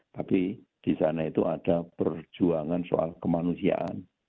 tapi di sana itu ada perjuangan soal kemanusiaan